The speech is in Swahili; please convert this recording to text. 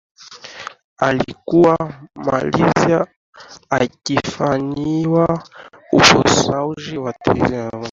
alikuwa malaysia akifanyiwa upasuaji wa tezi ya kibofu